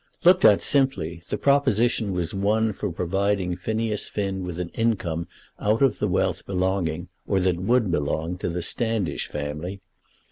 Looked at simply, the proposition was one for providing Phineas Finn with an income out of the wealth belonging, or that would belong, to the Standish family.